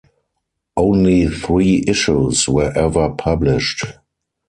Only three issues were ever published.